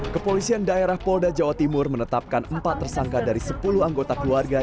kepolisian daerah polda jawa timur menetapkan empat tersangka dari sepuluh anggota keluarga